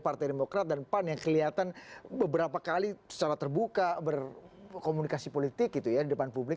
partai demokrat dan pan yang kelihatan beberapa kali secara terbuka berkomunikasi politik gitu ya di depan publik